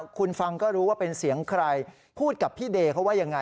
คุณฟังก็รู้ว่าเป็นเสียงใครพูดกับพี่เดย์เขาว่ายังไง